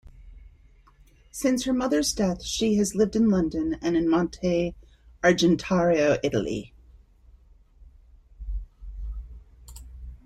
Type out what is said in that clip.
Since her mother's death, she has lived in London and in Monte Argentario, Italy.